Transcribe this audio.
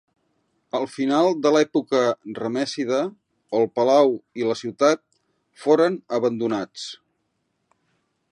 Al final de l'època ramèssida el palau i la ciutat foren abandonats.